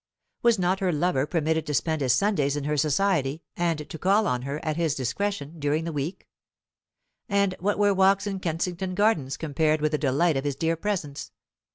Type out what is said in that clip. Was not her lover permitted to spend his Sundays in her society, and to call on her, at his discretion, during the week? And what were walks in Kensington Gardens compared with the delight of his dear presence!